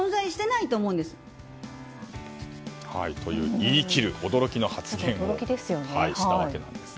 という、言い切る驚きの発言をしたわけなんです。